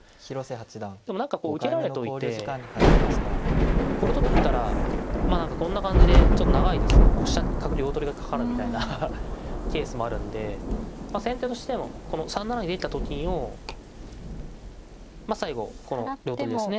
でも何かこう受けられといてこれ取ったらまあ何かこんな感じでちょっと長いですけど飛車角両取りがかかるみたいなケースもあるんで先手としてもこの３七にできたと金をまあ最後この両取りですね。